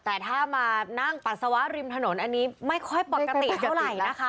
แต่ถ้ามานั่งปัสสาวะริมถนนอันนี้ไม่ค่อยปกติเท่าไหร่นะคะ